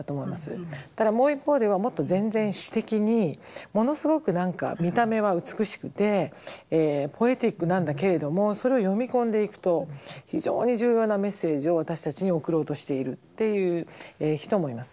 ただもう一方ではもっと全然詩的にものすごく何か見た目は美しくてポエティックなんだけれどもそれを読み込んでいくと非常に重要なメッセージを私たちに送ろうとしているっていう人もいます。